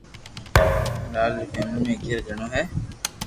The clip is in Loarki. لال ري فيملي مي اگياري جڻو ھي